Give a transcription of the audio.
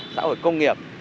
xã hội công nghiệp